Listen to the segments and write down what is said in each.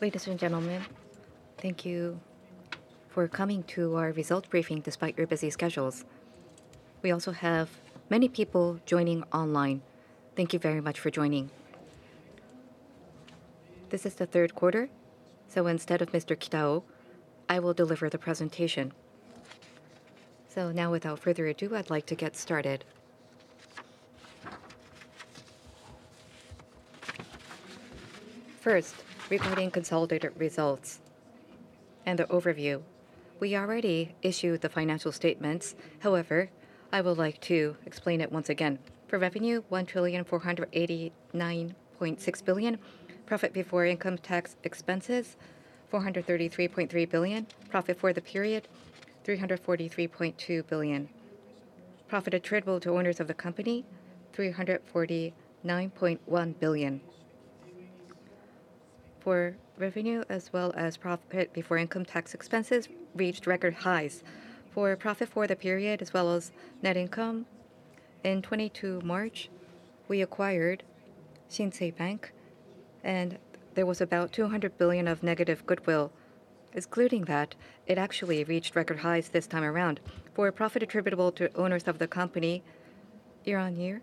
Ladies and gentlemen, thank you for coming to our results briefing despite your busy schedules. We also have many people joining online. Thank you very much for joining. This is the third quarter, so instead of Mr. Kitao, I will deliver the presentation. Now, without further ado, I'd like to get started. First, regarding consolidated results and the overview. We already issued the financial statements; however, I would like to explain it once again. For revenue, 1,489.6 billion. Profit before income tax expenses, 433.3 billion. Profit for the period, 343.2 billion. Profit attributable to owners of the company, 349.1 billion. For revenue as well as profit before income tax expenses reached record highs. For profit for the period as well as net income, in March 2022, we acquired Shinsei Bank, and there was about 200 billion of negative goodwill. Excluding that, it actually reached record highs this time around. For profit attributable to owners of the company, year-on-year,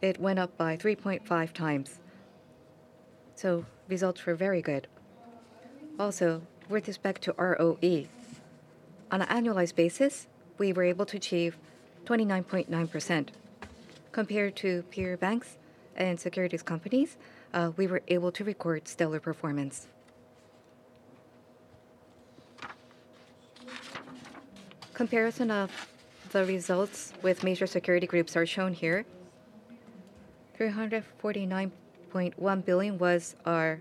it went up by 3.5 times. So results were very good. Also, with respect to ROE, on an annualized basis, we were able to achieve 29.9%. Compared to peer banks and securities companies, we were able to record stellar performance. Comparison of the results with major securities groups are shown here. 349.1 billion was our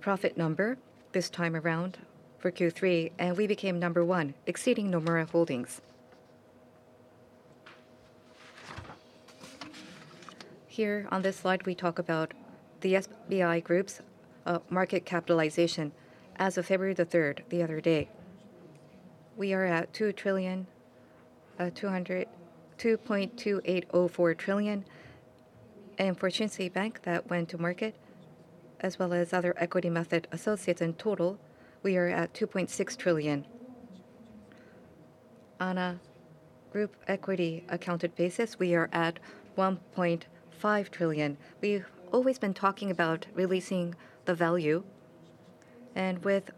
profit number this time around for Q3, and we became number one, exceeding Nomura Holdings. Here on this slide, we talk about the SBI Group's market capitalization. As of February the third, the other day, we are at 2.2804 trillion, and for Shinsei Bank that went to market, as well as other equity method associates in total, we are at 2.6 trillion. On a group equity accounted basis, we are at 1.5 trillion. We've always been talking about releasing the value, and with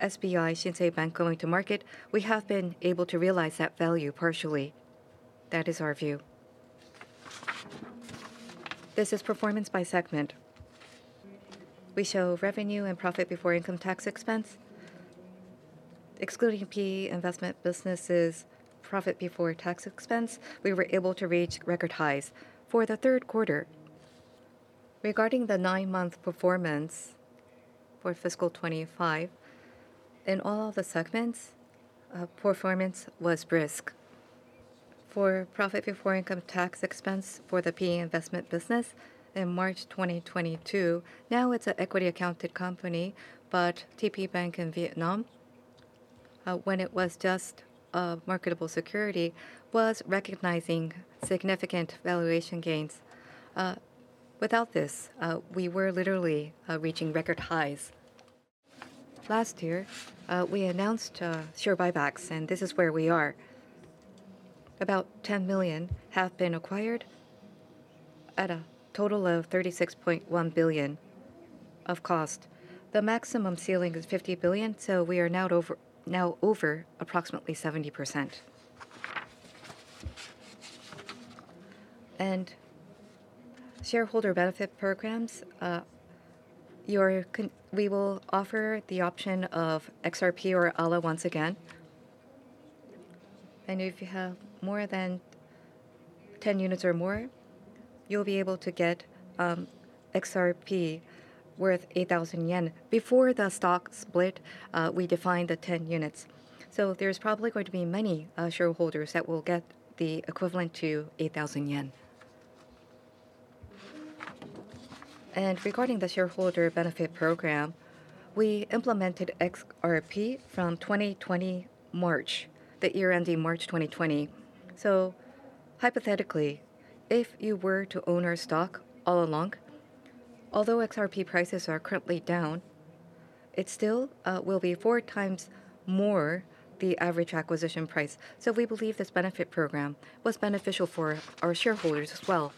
SBI Shinsei Bank going to market, we have been able to realize that value partially. That is our view. This is performance by segment. We show revenue and profit before income tax expense. Excluding PE investment business' profit before tax expense, we were able to reach record highs for the third quarter. Regarding the nine-month performance for fiscal 2025, in all the segments, performance was brisk. For profit before income tax expense for the PE investment business in March 2022, now it's an equity accounted company, but TP Bank in Vietnam, when it was just a marketable security, was recognizing significant valuation gains. Without this, we were literally reaching record highs. Last year, we announced share buybacks, and this is where we are. About 10 million have been acquired at a total of 36.1 billion of cost. The maximum ceiling is 50 billion, so we are now over, now over approximately 70%. Shareholder benefit programs, we will offer the option of XRP or ALA once again. And if you have more than 10 units or more, you'll be able to get XRP worth 8,000 yen. Before the stock split, we defined the 10 units. There's probably going to be many shareholders that will get the equivalent to 8,000 yen. Regarding the shareholder benefit program, we implemented XRP from March 2020, the year-ending March 2020. Hypothetically, if you were to own our stock all along, although XRP prices are currently down, it still will be four times more the average acquisition price. We believe this benefit program was beneficial for our shareholders as well.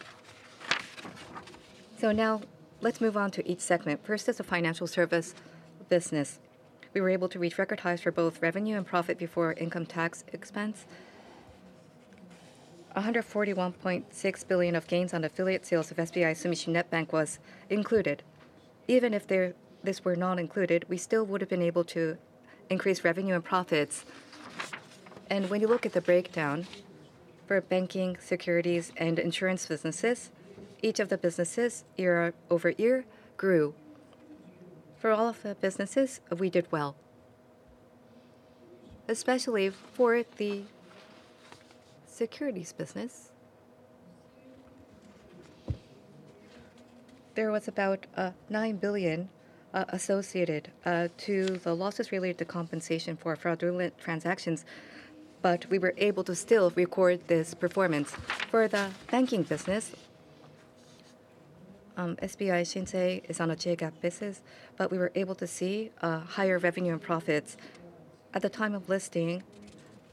Now let's move on to each segment. First is the financial service business. We were able to reach record highs for both revenue and profit before income tax expense. 141.6 billion of gains on affiliate sales of SBI Sumishin Net Bank was included. Even if this were not included, we still would have been able to increase revenue and profits. When you look at the breakdown for banking, securities, and insurance businesses, each of the businesses year-over-year grew. For all of the businesses, we did well. Especially for the securities business, there was about 9 billion associated to the losses related to compensation for fraudulent transactions, but we were able to still record this performance. For the banking business, SBI Shinsei is on a JGAAP basis, but we were able to see higher revenue and profits. At the time of listing,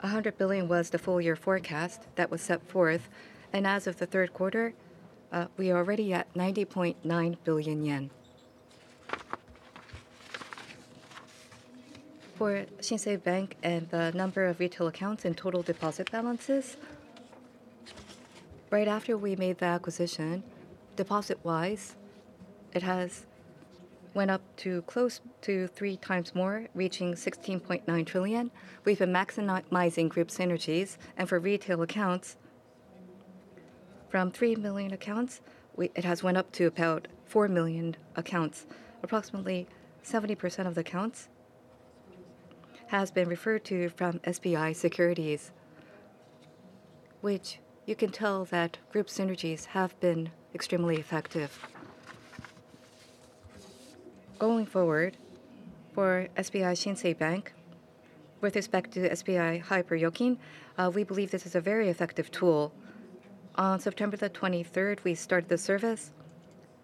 100 billion was the full year forecast that was set forth, and as of the third quarter, we are already at 90.9 billion yen. For Shinsei Bank and the number of retail accounts and total deposit balances, right after we made the acquisition, deposit-wise, it has went up to close to 3 times more, reaching 16.9 trillion. We've been maximizing group synergies, and for retail accounts, from 3 million accounts, it has went up to about 4 million accounts. Approximately 70% of the accounts has been referred to from SBI Securities, which you can tell that group synergies have been extremely effective. Going forward, for SBI Shinsei Bank, with respect to SBI Hyper Yokin, we believe this is a very effective tool. On September the 23rd, we started the service,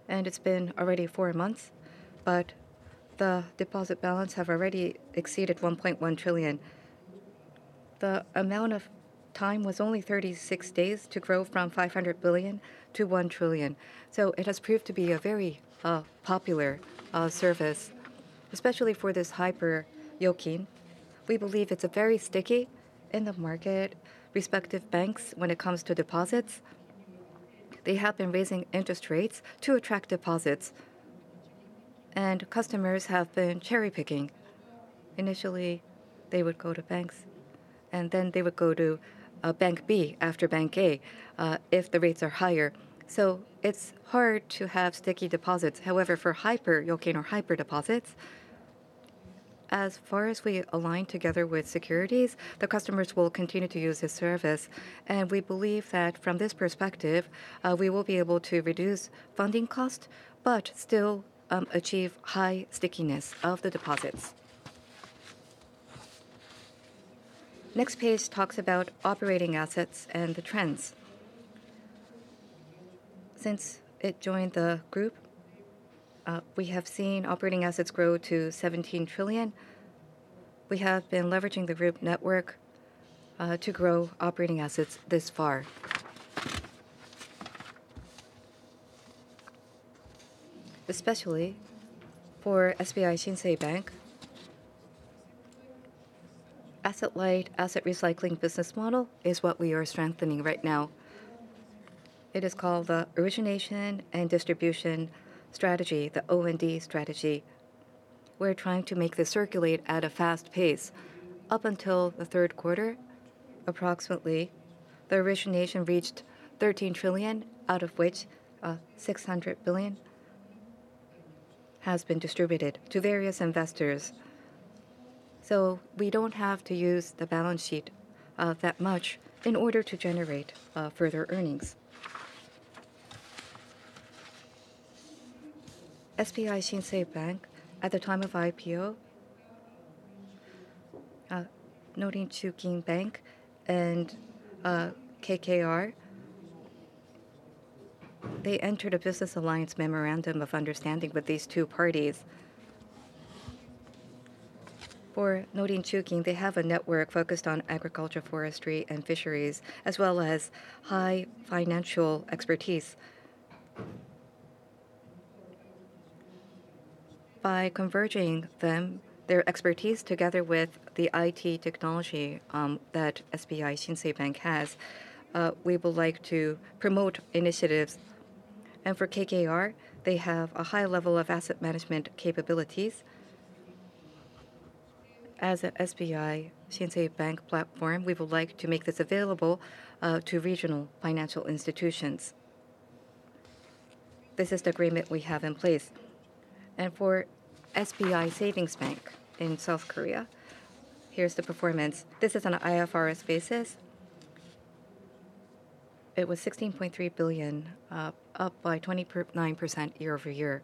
and it's been already 4 months, but the deposit balance have already exceeded 1.1 trillion. The amount of time was only 36 days to grow from 500 billion to 1 trillion, so it has proved to be a very popular service, especially for this Hyper Yokin. We believe it's very sticky in the market. Respective banks, when it comes to deposits, they have been raising interest rates to attract deposits, and customers have been cherry-picking. Initially, they would go to banks, and then they would go to Bank B after Bank A if the rates are higher. So it's hard to have sticky deposits. However, for Hyper Yokin or hyper deposits, as far as we align together with securities, the customers will continue to use this service, and we believe that from this perspective we will be able to reduce funding cost, but still achieve high stickiness of the deposits. Next page talks about operating assets and the trends. Since it joined the group, we have seen operating assets grow to 17 trillion. We have been leveraging the group network to grow operating assets this far. Especially for SBI Shinsei Bank, asset-light, asset-recycling business model is what we are strengthening right now. It is called the origination and distribution strategy, the O&D strategy. We're trying to make this circulate at a fast pace. Up until the third quarter, approximately, the origination reached 13 trillion, out of which, 600 billion has been distributed to various investors. So we don't have to use the balance sheet that much in order to generate further earnings. SBI Shinsei Bank, at the time of IPO, Norinchukin Bank and KKR, they entered a business alliance memorandum of understanding with these two parties. For Norinchukin, they have a network focused on agriculture, forestry, and fisheries, as well as high financial expertise. By converging them, their expertise together with the IT technology that SBI Shinsei Bank has, we would like to promote initiatives. For KKR, they have a high level of asset management capabilities. As a SBI Shinsei Bank platform, we would like to make this available to regional financial institutions. This is the agreement we have in place. For SBI Savings Bank in South Korea, here's the performance. This is on an IFRS basis. It was 16.3 billion, up by 29% year-over-year,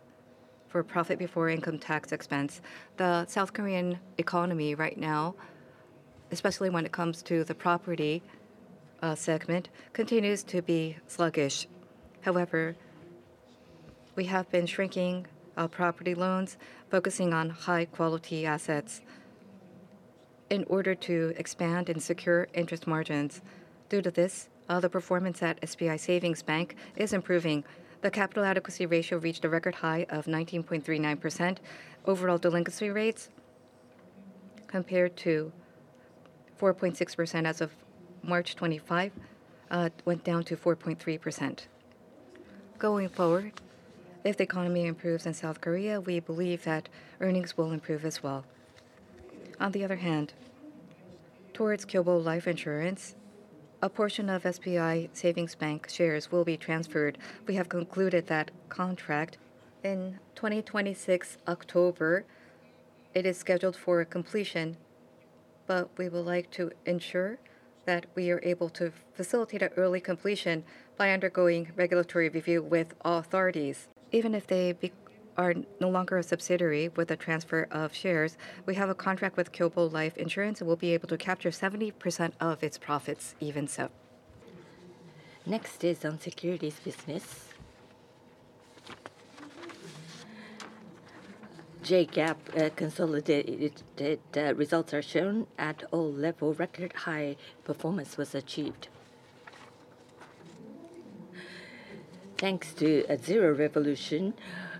for profit before income tax expense. The South Korean economy right now, especially when it comes to the property segment, continues to be sluggish. However, we have been shrinking property loans, focusing on high-quality assets in order to expand and secure interest margins. Due to this, the performance at SBI Savings Bank is improving. The capital adequacy ratio reached a record high of 19.39%. Overall delinquency rates, compared to 4.6% as of March 2025, went down to 4.3%. Going forward, if the economy improves in South Korea, we believe that earnings will improve as well. On the other hand, towards Kyobo Life Insurance, a portion of SBI Savings Bank shares will be transferred. We have concluded that contract. In 2026, October, it is scheduled for completion, but we would like to ensure that we are able to facilitate an early completion by undergoing regulatory review with authorities. Even if they are no longer a subsidiary with the transfer of shares, we have a contract with Kyobo Life Insurance, and we'll be able to capture 70% of its profits even so. Next is on securities business. J-GAAP consolidated results are shown. At all level, record high performance was achieved. Thanks to Zero Revolution,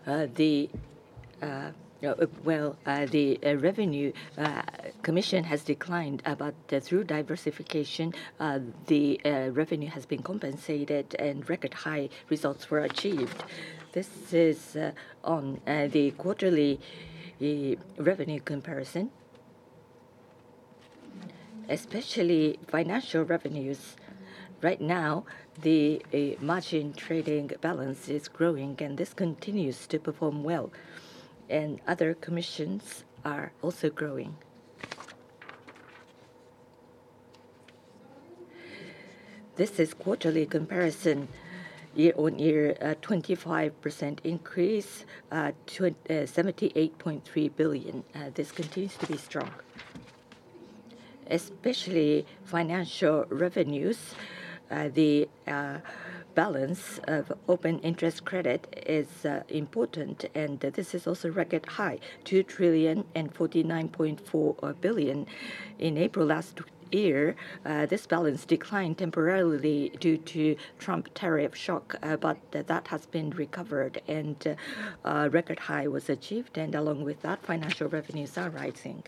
the revenue commission has declined, but through diversification, the revenue has been compensated and record high results were achieved. This is on the quarterly revenue comparison. Especially financial revenues, right now, the margin trading balance is growing, and this continues to perform well, and other commissions are also growing. This is quarterly comparison, year-on-year, a 25% increase, 78.3 billion. This continues to be strong. Especially financial revenues, the balance of open interest credit is important, and this is also record high, 2,049.4 billion. In April last year, this balance declined temporarily due to Trump tariff shock, but that has been recovered, and a record high was achieved, and along with that, financial revenues are rising.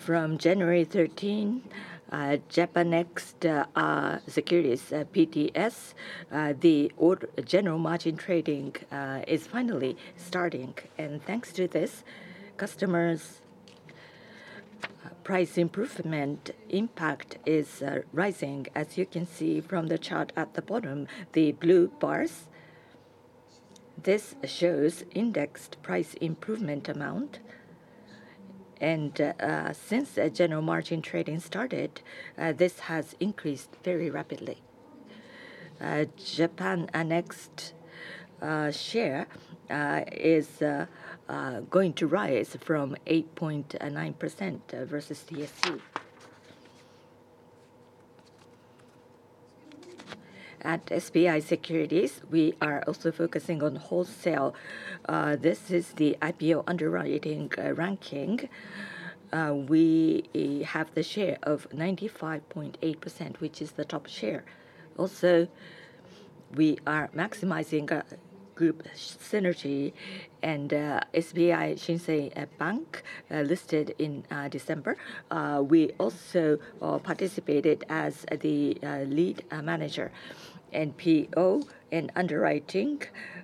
From January 13, Japannext Securities PTS, the order general margin trading is finally starting. And thanks to this, customers' price improvement impact is rising. As you can see from the chart at the bottom, the blue bars, this shows indexed price improvement amount. And since the general margin trading started, this has increased very rapidly. Japannext share is going to rise from 8.9% versus TSE. At SBI Securities, we are also focusing on wholesale. This is the IPO underwriting ranking. We have the share of 95.8%, which is the top share. Also, we are maximizing group synergy and SBI Shinsei Bank listed in December. We also participated as the lead manager in IPO and underwriting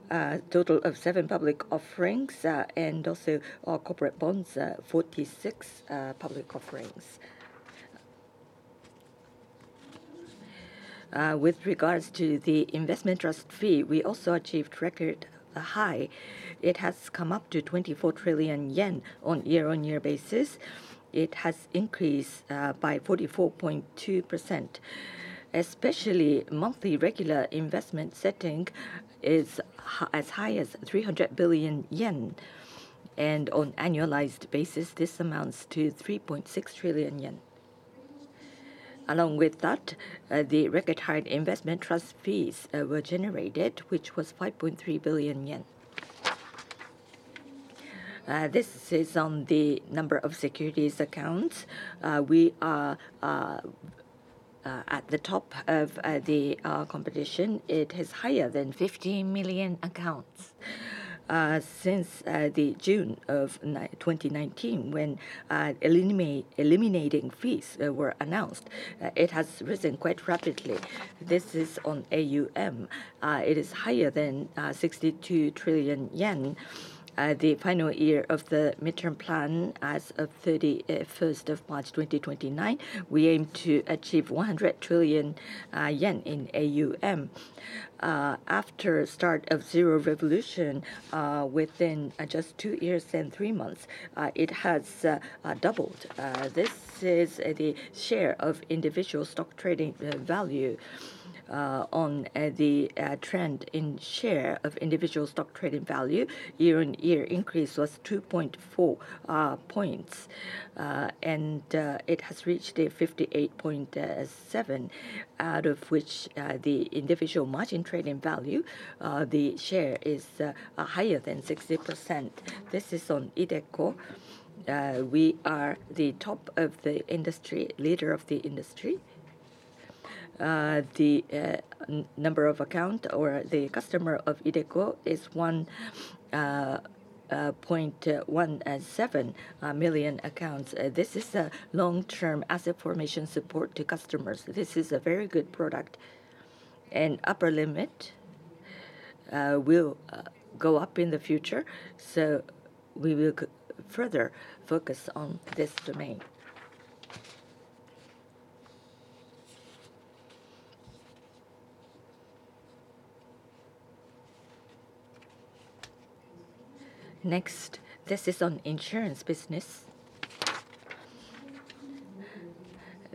total of 7 public offerings, and also corporate bonds, 46 public offerings. With regards to the investment trust fee, we also achieved record high. It has come up to 24 trillion yen on year-on-year basis. It has increased by 44.2%. Especially monthly regular investment setting is as high as 300 billion yen, and on annualized basis, this amounts to 3.6 trillion yen. Along with that, the record high investment trust fees were generated, which was 5.3 billion yen. This is on the number of securities accounts. We are at the top of the competition. It is higher than 15 million accounts. Since the June of 2019, when eliminating fees were announced, it has risen quite rapidly. This is on AUM. It is higher than 62 trillion yen. The final year of the midterm plan as of March 31, 2029, we aim to achieve 100 trillion yen in AUM. After start of Zero Revolution, within just two years and three months, it has doubled. This is the share of individual stock trading value. On the trend in share of individual stock trading value, year-on-year increase was 2.4 points. And it has reached a 58.7, out of which the individual margin trading value the share is higher than 60%. This is on iDeCo. We are the top of the industry, leader of the industry. The number of accounts or the customers of iDeCo is 1.17 million accounts. This is a long-term asset formation support to customers. This is a very good product, and upper limit will go up in the future, so we will further focus on this domain. Next, this is on insurance business.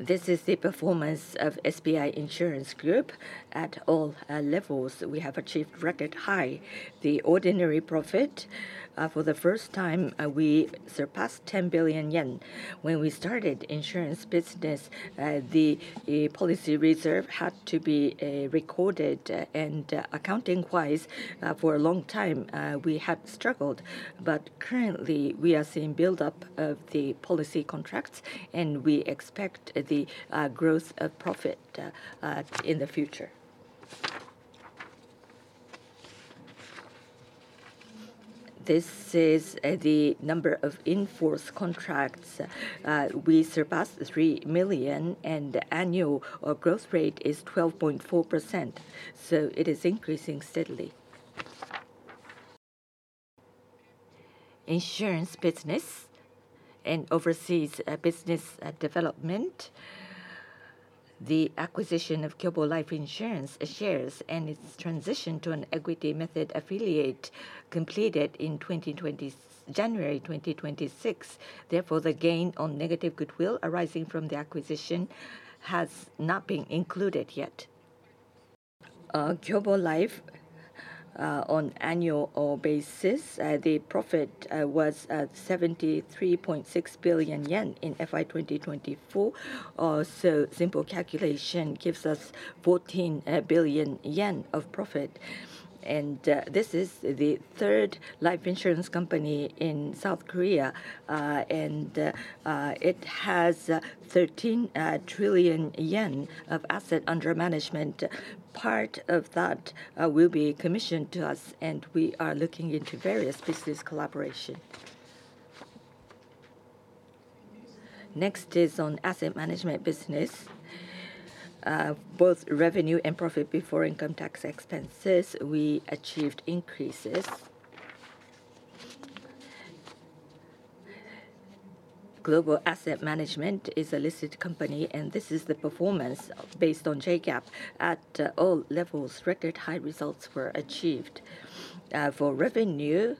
This is the performance of SBI Insurance Group. At all levels, we have achieved record high. The ordinary profit, for the first time, we surpassed 10 billion yen. When we started insurance business, the policy reserve had to be recorded, and accounting-wise, for a long time, we have struggled. But currently, we are seeing build-up of the policy contracts, and we expect the growth of profit in the future. This is the number of in-force contracts. We surpassed 3 million, and annual growth rate is 12.4%, so it is increasing steadily. Insurance business and overseas business development. The acquisition of Kyobo Life Insurance shares and its transition to an equity method affiliate completed in January 2026. Therefore, the gain on negative goodwill arising from the acquisition has not been included yet. Kyobo Life, on annual basis, the profit was 73.6 billion yen in FY 2024. So simple calculation gives us 14 billion yen of profit. And this is the third life insurance company in South Korea, and it has 13 trillion yen of asset under management. Part of that will be commissioned to us, and we are looking into various business collaboration. Next is on asset management business. Both revenue and profit before income tax expenses, we achieved increases. Global Asset Management is a listed company, and this is the performance based on J-GAAP. At all levels, record high results were achieved. For revenue,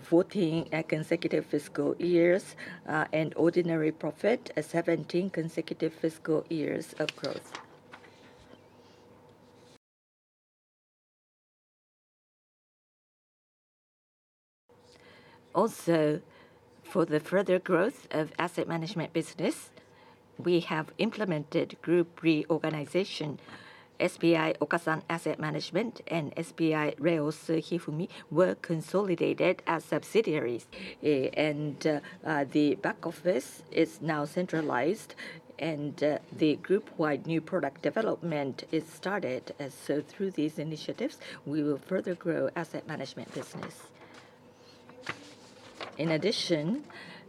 14 consecutive fiscal years, and ordinary profit, 17 consecutive fiscal years of growth. Also, for the further growth of asset management business, we have implemented group reorganization. SBI Okasan Asset Management and SBI Rheos Hifumi were consolidated as subsidiaries. And the back office is now centralized, and the group-wide new product development is started. So through these initiatives, we will further grow asset management business. In addition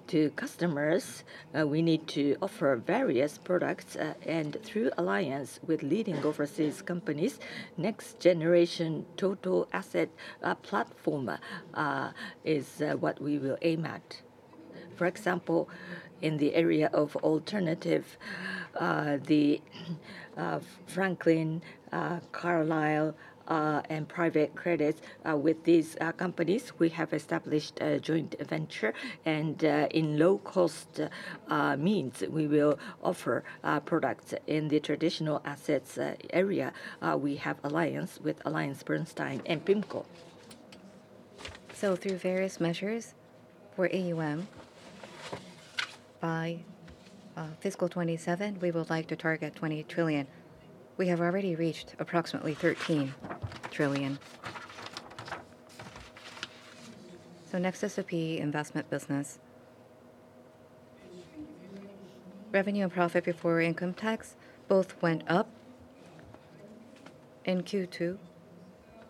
to customers, we need to offer various products, and through alliance with leading overseas companies, next generation total asset platform is what we will aim at. For example, in the area of alternative, the Franklin, Carlyle, and private credit, with these companies, we have established a joint venture, and in low cost means, we will offer products. In the traditional assets area, we have alliance with AllianceBernstein and PIMCO. Through various measures for AUM, by fiscal 2027, we would like to target 20 trillion. We have already reached approximately 13 trillion. Next is the PE investment business. Revenue and profit before income tax both went up. In Q2,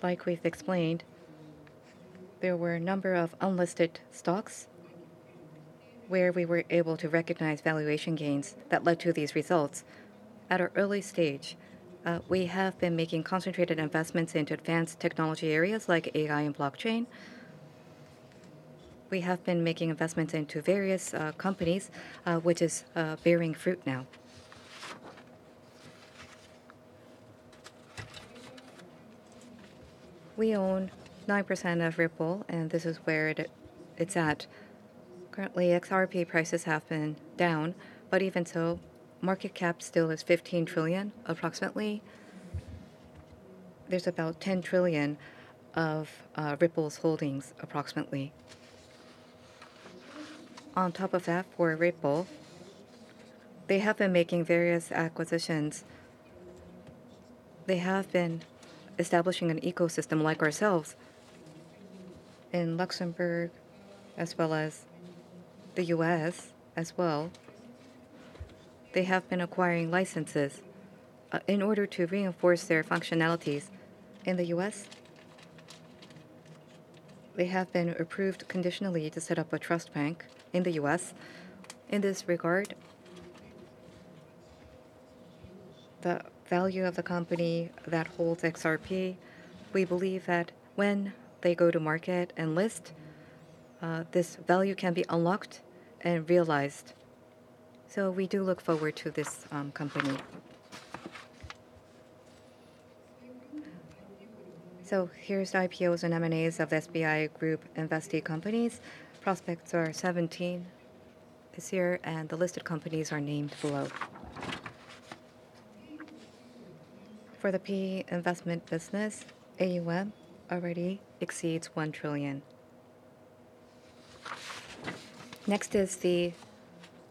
like we've explained, there were a number of unlisted stocks where we were able to recognize valuation gains that led to these results. At an early stage, we have been making concentrated investments into advanced technology areas like AI and blockchain. We have been making investments into various companies, which is bearing fruit now. We own 9% of Ripple, and this is where it, it's at. Currently, XRP prices have been down, but even so, market cap still is 15 trillion, approximately. There's about 10 trillion of Ripple's holdings, approximately. On top of that, for Ripple, they have been making various acquisitions. They have been establishing an ecosystem like ourselves in Luxembourg as well as the U.S. as well. They have been acquiring licenses, in order to reinforce their functionalities in the U.S. They have been approved conditionally to set up a trust bank in the U.S. In this regard, the value of the company that holds XRP, we believe that when they go to market and list, this value can be unlocked and realized. So we do look forward to this, company. So here's the IPOs and M&As of SBI group invested companies. Prospects are 17 this year, and the listed companies are named below. For the PE investment business, AUM already exceeds JPY 1 trillion. Next is the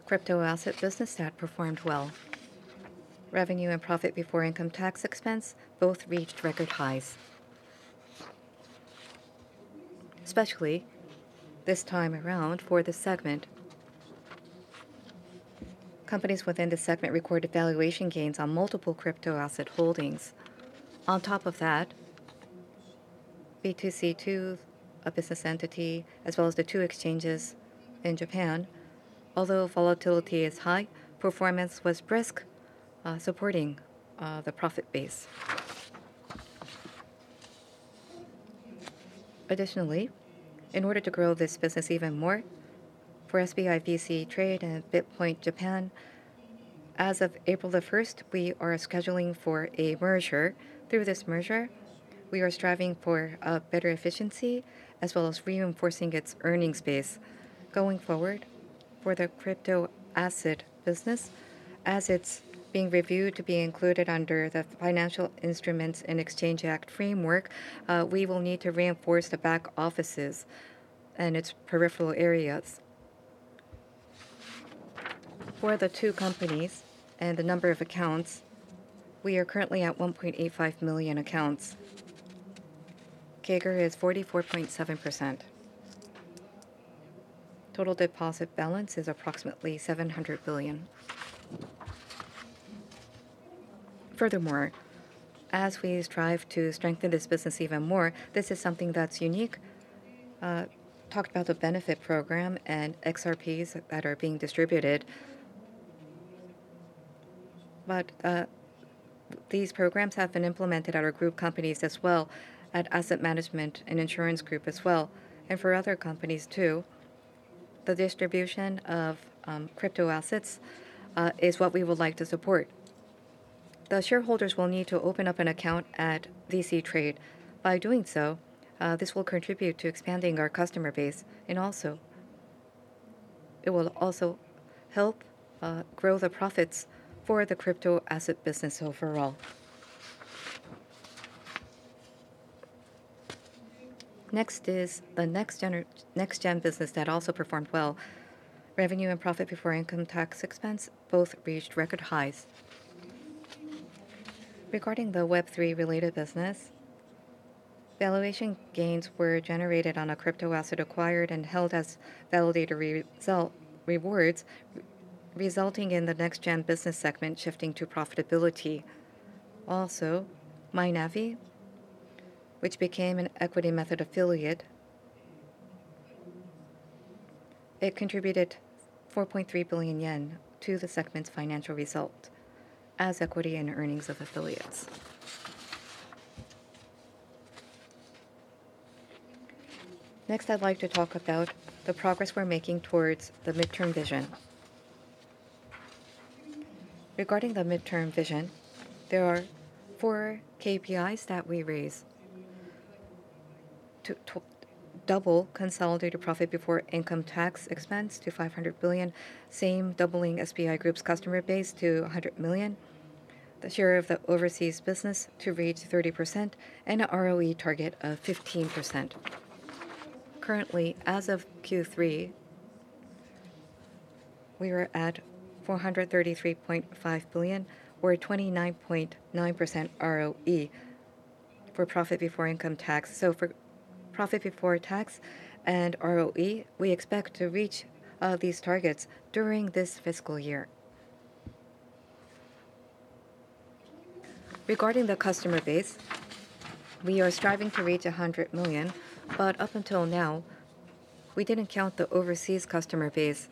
crypto asset business that performed well. Revenue and profit before income tax expense both reached record highs. Especially, this time around for this segment, companies within this segment recorded valuation gains on multiple crypto asset holdings. On top of that, B2C2, a business entity, as well as the two exchanges in Japan, although volatility is high, performance was brisk, supporting the profit base. Additionally, in order to grow this business even more, for SBI VC Trade and BitPoint Japan, as of April 1, we are scheduling for a merger. Through this merger, we are striving for better efficiency, as well as reinforcing its earnings base. Going forward, for the crypto asset business, as it's being reviewed to be included under the Financial Instruments and Exchange Act framework, we will need to reinforce the back offices and its peripheral areas. For the two companies and the number of accounts, we are currently at 1.85 million accounts. CAGR is 44.7%. Total deposit balance is approximately 700 billion. Furthermore, as we strive to strengthen this business even more, this is something that's unique. Talked about the benefit program and XRPs that are being distributed. But these programs have been implemented at our group companies as well, at asset management and insurance group as well, and for other companies too. The distribution of crypto assets is what we would like to support. The shareholders will need to open up an account at VC Trade. By doing so, this will contribute to expanding our customer base, and also it will also help grow the profits for the crypto asset business overall. Next is the next gen business that also performed well. Revenue and profit before income tax expense both reached record highs. Regarding the Web3-related business, valuation gains were generated on a crypto asset acquired and held as validator rewards, resulting in the next gen business segment shifting to profitability. Also, Mynavi, which became an equity method affiliate, it contributed 4.3 billion yen to the segment's financial result as equity and earnings of affiliates. Next, I'd like to talk about the progress we're making towards the midterm vision. Regarding the midterm vision, there are four KPIs that we raised: to double consolidated profit before income tax expense to 500 billion, and doubling SBI Group's customer base to 100 million, the share of the overseas business to reach 30%, and a ROE target of 15%. Currently, as of Q3, we are at 433.5 billion, or a 29.9% ROE for profit before income tax. So for profit before tax and ROE, we expect to reach these targets during this fiscal year. Regarding the customer base, we are striving to reach 100 million, but up until now, we didn't count the overseas customer base.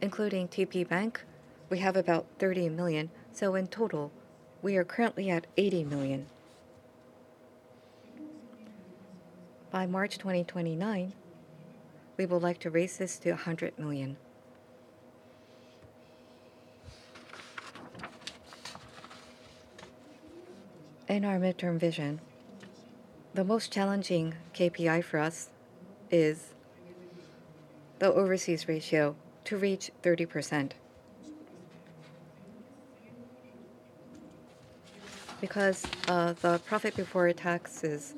Including TP Bank, we have about 30 million, so in total, we are currently at 80 million. By March 2029, we would like to raise this to 100 million. In our midterm vision, the most challenging KPI for us is the overseas ratio to reach 30%. Because, the profit before taxes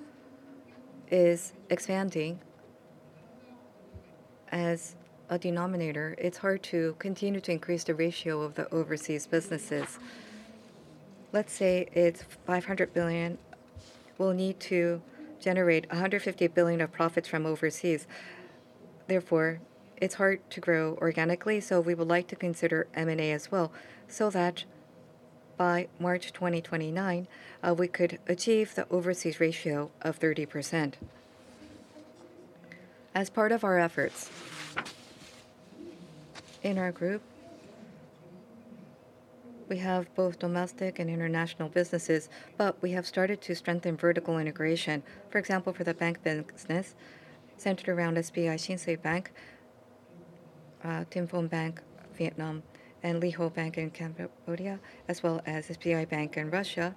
is expanding as a denominator, it's hard to continue to increase the ratio of the overseas businesses. Let's say it's 500 billion, we'll need to generate 150 billion of profits from overseas. Therefore, it's hard to grow organically, so we would like to consider M&A as well, so that by March 2029, we could achieve the overseas ratio of 30%. As part of our efforts, in our group, we have both domestic and international businesses, but we have started to strengthen vertical integration. For example, for the bank business, centered around SBI Shinsei Bank, Tien Phong Bank, Vietnam, and Ly Hour Bank in Cambodia, as well as SBI Bank in Russia.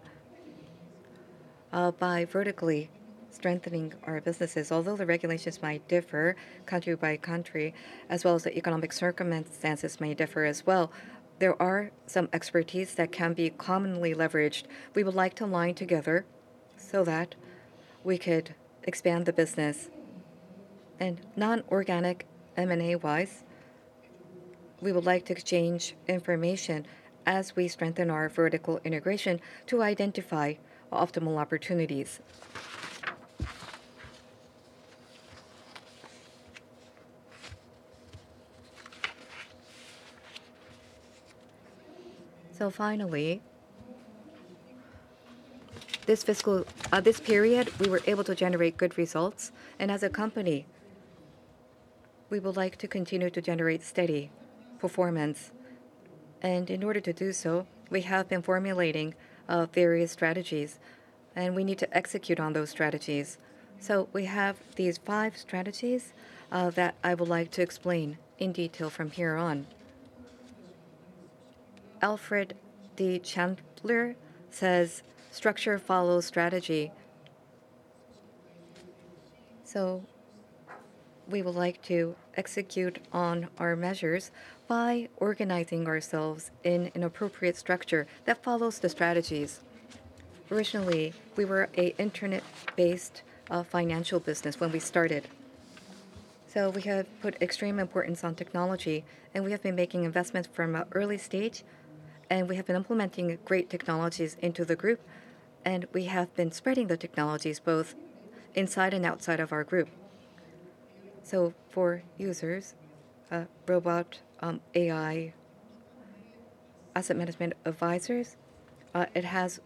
By vertically strengthening our businesses, although the regulations might differ country by country, as well as the economic circumstances may differ as well, there are some expertise that can be commonly leveraged. We would like to align together so that we could expand the business. Non-organic M&A-wise, we would like to exchange information as we strengthen our vertical integration to identify optimal opportunities. Finally, this fiscal period, we were able to generate good results, and as a company, we would like to continue to generate steady performance. In order to do so, we have been formulating various strategies, and we need to execute on those strategies. We have these five strategies that I would like to explain in detail from here on. Alfred D. Chandler says: "Structure follows strategy." We would like to execute on our measures by organizing ourselves in an appropriate structure that follows the strategies. Originally, we were an internet-based financial business when we started, so we have put extreme importance on technology, and we have been making investments from an early stage, and we have been implementing great technologies into the group, and we have been spreading the technologies both inside and outside of our group. For users, robot AI asset management advisors, it has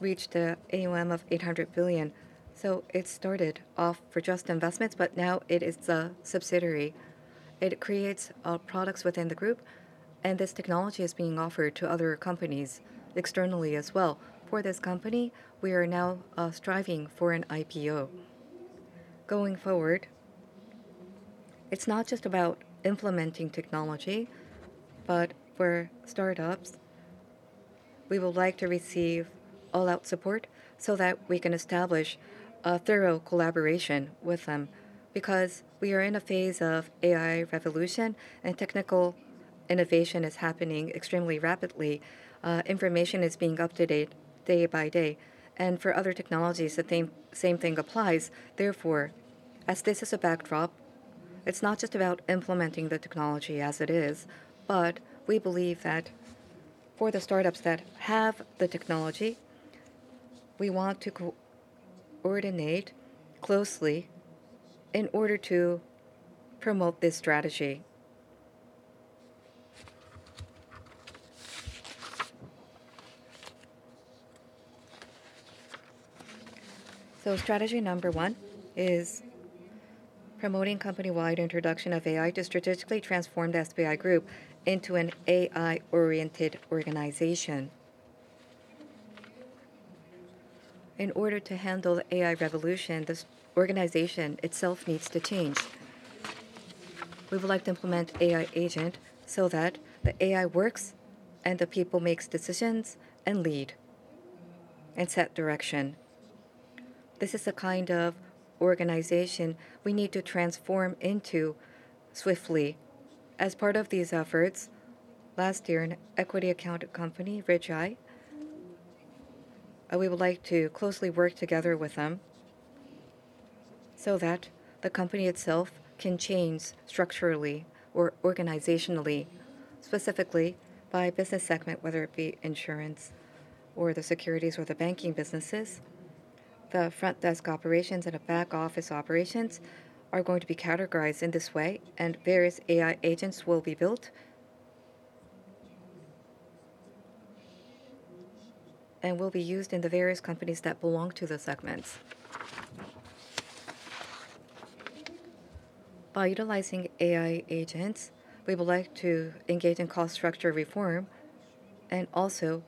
reached an AUM of 800 billion. It started off for just investments, but now it is a subsidiary. It creates products within the group, and this technology is being offered to other companies externally as well. For this company, we are now striving for an IPO. Going forward, it's not just about implementing technology, but for startups, we would like to receive all-out support so that we can establish a thorough collaboration with them. Because we are in a phase of AI revolution, and technical innovation is happening extremely rapidly, information is being up to date day by day, and for other technologies, the same, same thing applies. Therefore, as this is a backdrop, it's not just about implementing the technology as it is, but we believe that for the startups that have the technology, we want to coordinate closely in order to promote this strategy. So strategy number one is promoting company-wide introduction of AI to strategically transform the SBI Group into an AI-oriented organization. In order to handle the AI revolution, this organization itself needs to change. We would like to implement AI agent so that the AI works and the people makes decisions and lead and set direction. This is the kind of organization we need to transform into swiftly. As part of these efforts, last year, an equity account company, Ridge-i, and we would like to closely work together with them so that the company itself can change structurally or organizationally, specifically by business segment, whether it be insurance or the securities or the banking businesses. The front desk operations and the back office operations are going to be categorized in this way, and various AI agents will be built and will be used in the various companies that belong to the segments. By utilizing AI agents, we would like to engage in cost structure reform and also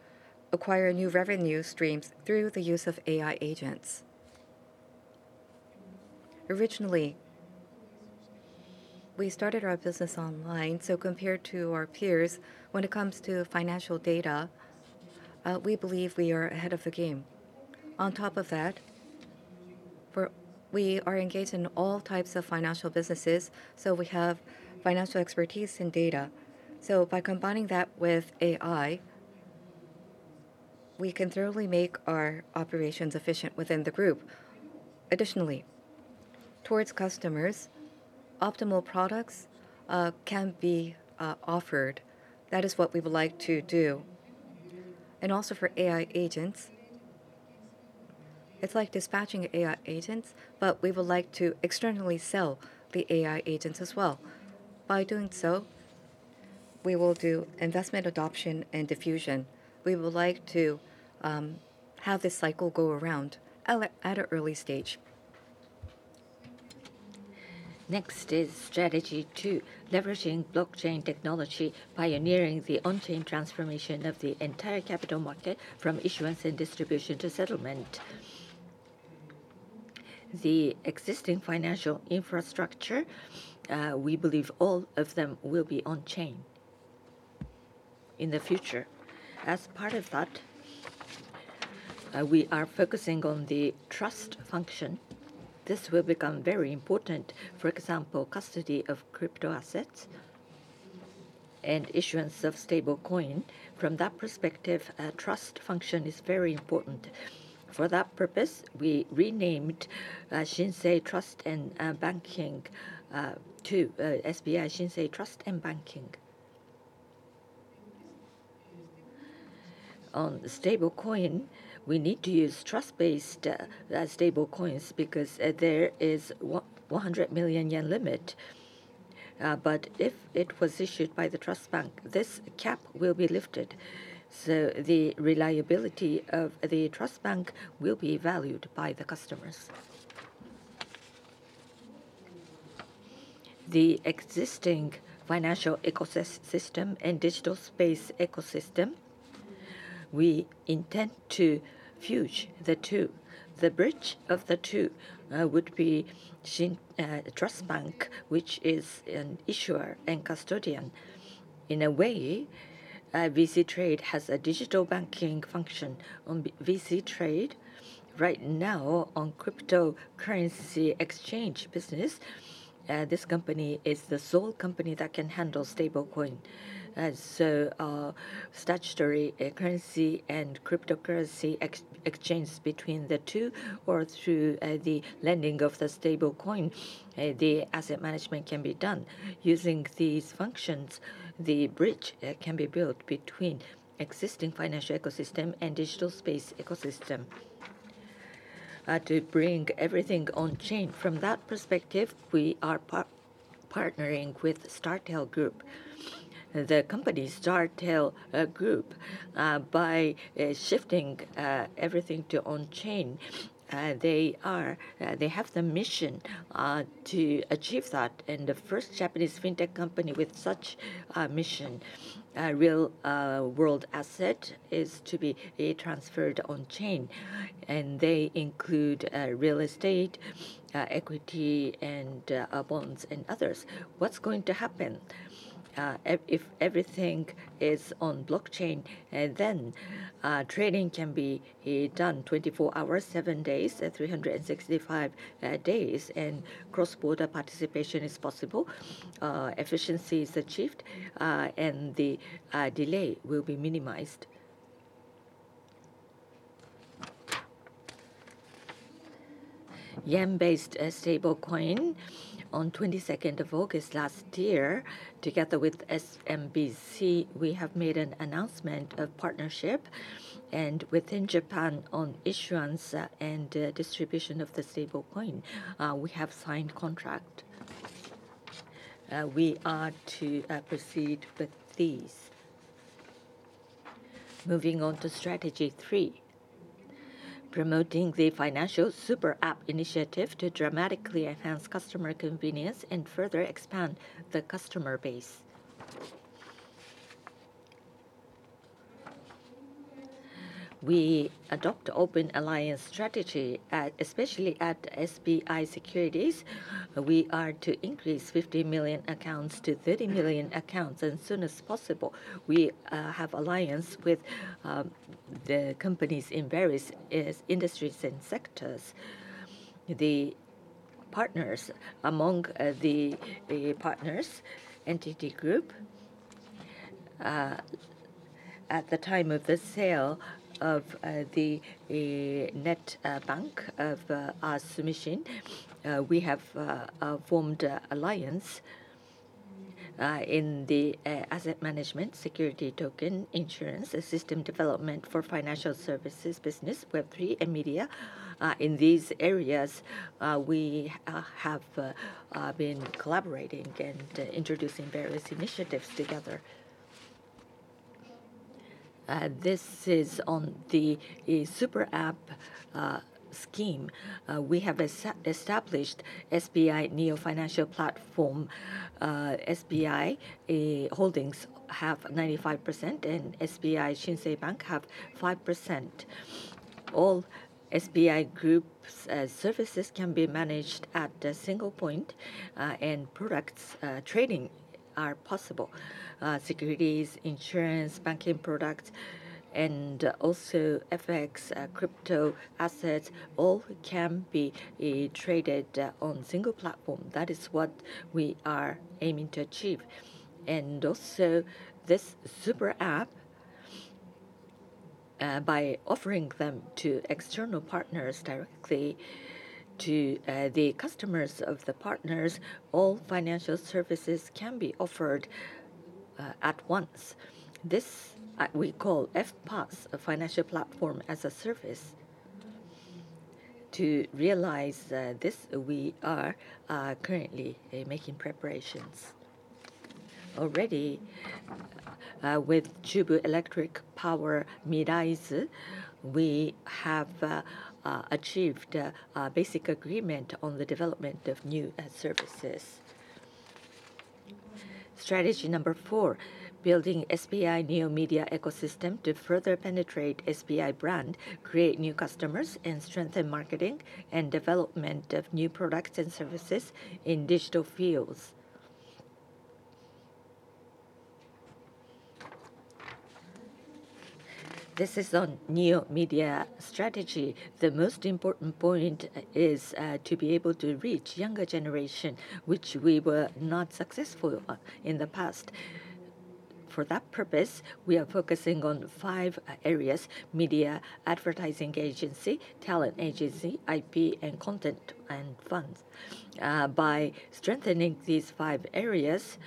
acquire new revenue streams through the use of AI agents. Originally, we started our business online, so compared to our peers, when it comes to financial data, we believe we are ahead of the game. On top of that, we are engaged in all types of financial businesses, so we have financial expertise in data. So by combining that with AI, we can thoroughly make our operations efficient within the group. Additionally, towards customers, optimal products can be offered. That is what we would like to do. Also for AI agents, it's like dispatching AI agents, but we would like to externally sell the AI agents as well. By doing so, we will do investment adoption and diffusion. We would like to have this cycle go around at a, at an early stage. Next is strategy two: leveraging blockchain technology, pioneering the on-chain transformation of the entire capital market from issuance and distribution to settlement. The existing financial infrastructure, we believe all of them will be on-chain in the future. As part of that, we are focusing on the trust function. This will become very important. For example, custody of crypto assets and issuance of stablecoin. From that perspective, trust function is very important. For that purpose, we renamed Shinsei Trust and Banking to SBI Shinsei Trust & Banking. On stablecoin, we need to use trust-based stablecoins because there is 100 million yen limit. But if it was issued by the trust bank, this cap will be lifted, so the reliability of the trust bank will be valued by the customers. The existing financial ecosystem and digital space ecosystem, we intend to fuse the two. The bridge of the two would be SBI Trust Bank, which is an issuer and custodian. In a way, VC Trade has a digital banking function. On VC Trade, right now, on cryptocurrency exchange business, this company is the sole company that can handle stablecoin. So, statutory currency and cryptocurrency exchange between the two or through the lending of the stablecoin, the asset management can be done. Using these functions, the bridge can be built between existing financial ecosystem and digital space ecosystem to bring everything on-chain. From that perspective, we are partnering with Startale Group. The company Startale Group, by shifting everything to on-chain, they have the mission to achieve that, and the first Japanese fintech company with such mission. Real world asset is to be transferred on-chain, and they include real estate, equity, and bonds, and others. What's going to happen if everything is on blockchain? Then trading can be done 24 hours, 7 days, 365 days, and cross-border participation is possible, efficiency is achieved, and the delay will be minimized. Yen-based stablecoin on twenty-second of August last year, together with SMBC, we have made an announcement of partnership, and within Japan on issuance and distribution of the stablecoin, we have signed contract. We are to proceed with these. Moving on to strategy three: promoting the financial super app initiative to dramatically enhance customer convenience and further expand the customer base. We adopt open alliance strategy, especially at SBI Securities. We are to increase 50 million accounts to 30 million accounts as soon as possible. We have alliance with the companies in various industries and sectors. The partners. Among the partners, NTT Group, at the time of the sale of the Net Bank of Sumishin, we have formed a alliance in the asset management, security token, insurance, system development for financial services, business, Web3, and media. In these areas, we have been collaborating and introducing various initiatives together. This is on the super app scheme. We have established SBI Neo Financial Platform. SBI Holdings have 95%, and SBI Shinsei Bank have 5%. All SBI Group's services can be managed at a single point, and products trading are possible. Securities, insurance, banking products, and also FX, crypto assets, all can be traded on single platform. That is what we are aiming to achieve. And also, this super app by offering them to external partners directly to the customers of the partners, all financial services can be offered at once. This we call FPaaS, a Financial Platform as a Service. To realize this, we are currently making preparations. Already with Chubu Electric Power Miraiz, we have achieved a basic agreement on the development of new services. Strategy number four, building SBI Neo Media ecosystem to further penetrate SBI brand, create new customers, and strengthen marketing and development of new products and services in digital fields. This is on Neo Media strategy. The most important point is to be able to reach younger generation, which we were not successful in the past. For that purpose, we are focusing on five areas: media, advertising agency, talent agency, IP, and content and funds. By strengthening these five areas,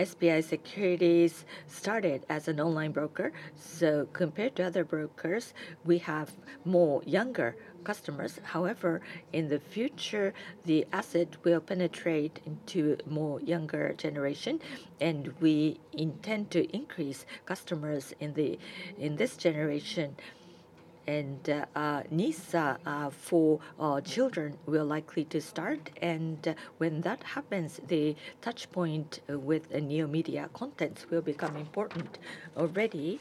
SBI Securities started as an online broker, so compared to other brokers, we have more younger customers. However, in the future, the asset will penetrate into more younger generation, and we intend to increase customers in this generation. NISA for children will likely to start, and when that happens, the touch point with a new media content will become important. Already,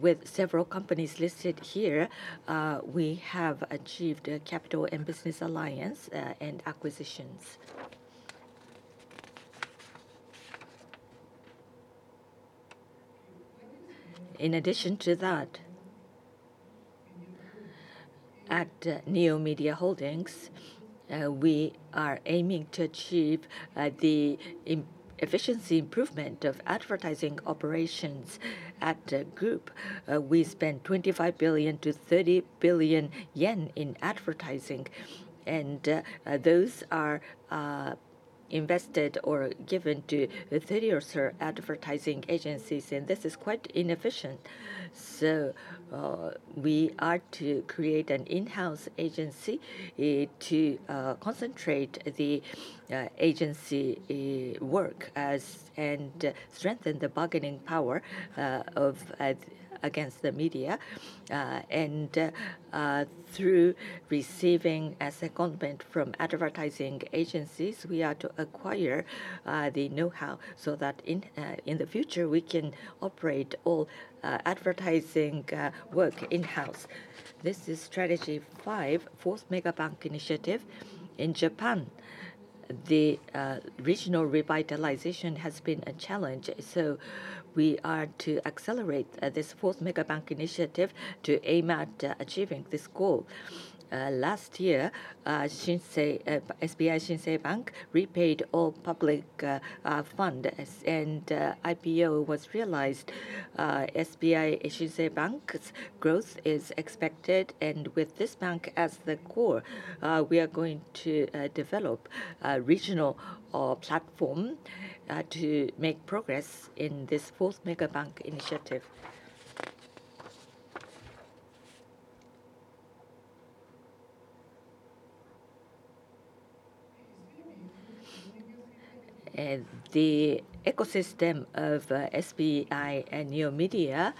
with several companies listed here, we have achieved a capital and business alliance, and acquisitions. In addition to that, at Neo Media Holdings, we are aiming to achieve the efficiency improvement of advertising operations at the group. We spend 25 billion-30 billion yen in advertising, and those are invested or given to various advertising agencies, and this is quite inefficient. So, we are to create an in-house agency to concentrate the agency work and strengthen the bargaining power of against the media. Through receiving a secondment from advertising agencies, we are to acquire the know-how so that in the future, we can operate all advertising work in-house. This is Strategy 5, Fourth Megabank Initiative. In Japan, the regional revitalization has been a challenge, so we are to accelerate this Fourth Megabank Initiative to aim at achieving this goal. Last year, Shinsei, SBI Shinsei Bank repaid all public funds, and IPO was realized. SBI Shinsei Bank's growth is expected, and with this bank as the core, we are going to develop a regional platform to make progress in this Fourth Megabank Initiative. The ecosystem of SBI and Neo Media,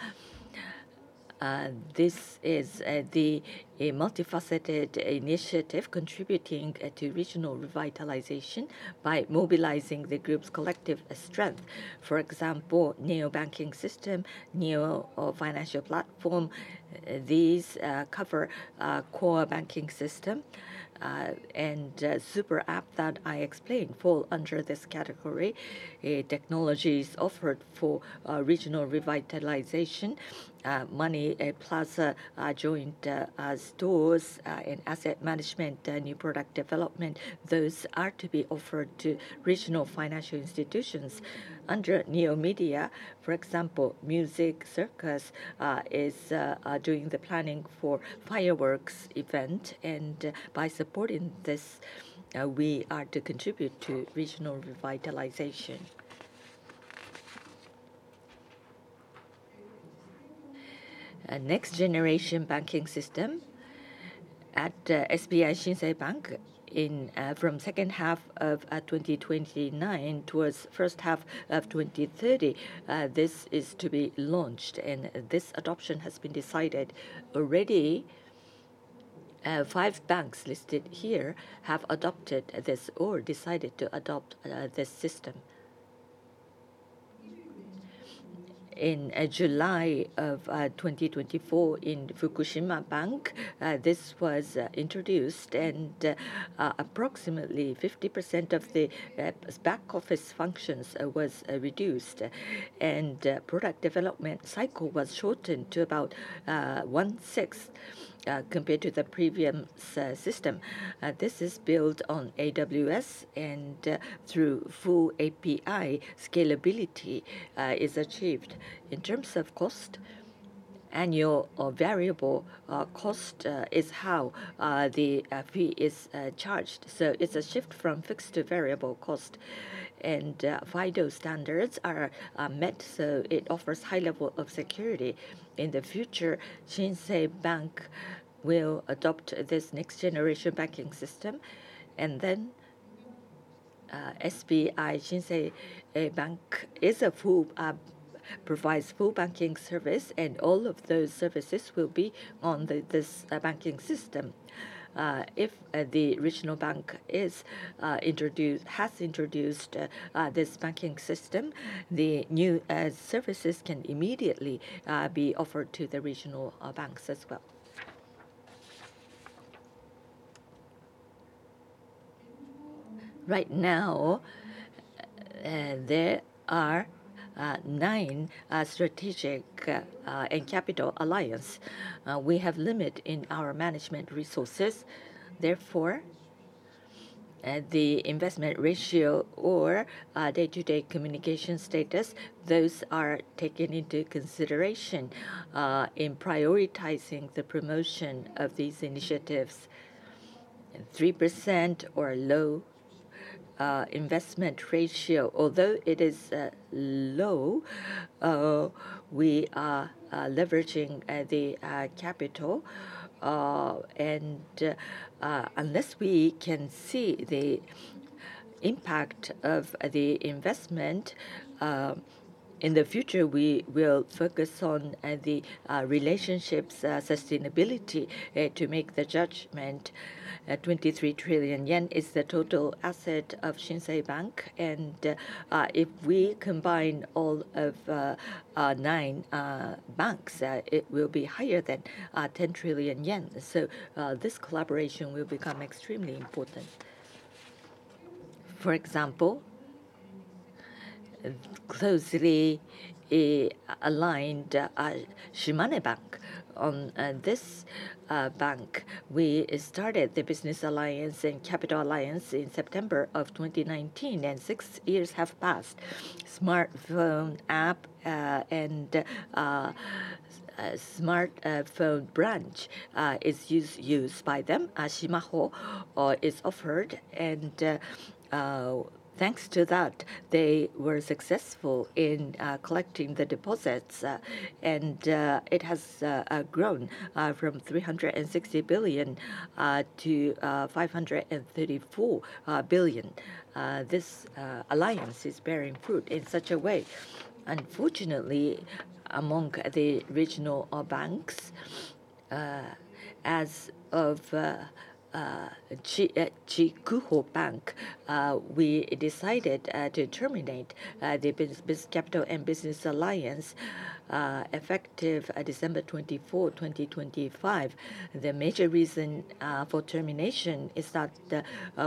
this is a multifaceted initiative contributing to regional revitalization by mobilizing the group's collective strength. For example, Neo banking system, Neo financial platform, these cover core banking system and super app that I explained fall under this category. Technologies offered for regional revitalization, Money Plaza, joined stores in asset management, new product development, those are to be offered to regional financial institutions. Under Neo Media, for example, Music Circus is doing the planning for fireworks event, and by supporting this, we are to contribute to regional revitalization. A next-generation banking system at SBI Shinsei Bank in from second half of 2029 towards first half of 2030, this is to be launched, and this adoption has been decided. Already, 5 banks listed here have adopted this or decided to adopt this system. In July of 2024 in Fukushima Bank, this was introduced, and approximately 50% of the back office functions was reduced, and product development cycle was shortened to about one-sixth compared to the previous system. This is built on AWS, and through full API, scalability is achieved. In terms of cost, annual or variable cost is how the fee is charged, so it's a shift from fixed to variable cost. And FIDO standards are met, so it offers high level of security. In the future, Shinsei Bank will adopt this next-generation banking system, and SBI Shinsei Bank is a full provides full banking service, and all of those services will be on the this banking system. If the regional bank has introduced this banking system, the new services can immediately be offered to the regional banks as well. Right now, there are nine strategic and capital alliances. We have limits in our management resources. Therefore, the investment ratio or day-to-day communication status, those are taken into consideration in prioritizing the promotion of these initiatives. 3% or lower investment ratio, although it is low, we are leveraging the capital. Unless we can see the impact of the investment in the future, we will focus on the relationships' sustainability to make the judgment. 23 trillion yen is the total asset of Shinsei Bank, and if we combine all of 9 banks, it will be higher than 10 trillion yen. So this collaboration will become extremely important. For example, closely aligned Shimane Bank. On this bank, we started the business alliance and capital alliance in September 2019, and 6 years have passed. Smartphone app and a smartphone branch is used by them. Shima-ho is offered, and thanks to that, they were successful in collecting the deposits, and it has grown from 360 billion to 534 billion. This alliance is bearing fruit in such a way. Unfortunately, among the regional banks, as of Chikuho Bank, we decided to terminate the business capital and business alliance, effective December 24th, 2025. The major reason for termination is that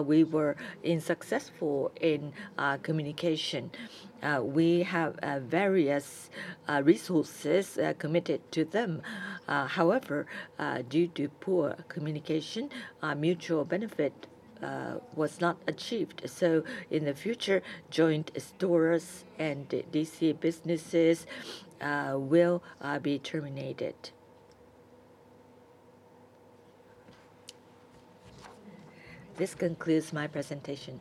we were unsuccessful in communication. We have various resources committed to them. However, due to poor communication, mutual benefit was not achieved. So in the future, joint stores and DC businesses will be terminated. This concludes my presentation.